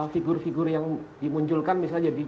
figur figur yang dimunculkan misalnya jadi